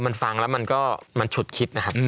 มันฟังแล้วมันก็มันฉุดคิดนะครับ